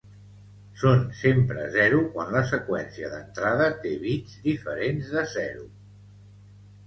Són sempre zero quan la seqüència d'entrada té bits diferents de zero